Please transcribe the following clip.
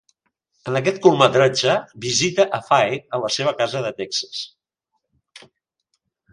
En aquest curtmetratge visita a Fair a la seva casa de Texas.